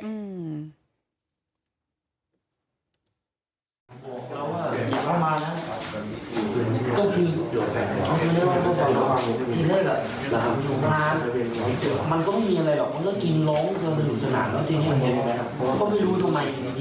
มันก็ไม่มีอะไรหรอกมันก็กินล้ม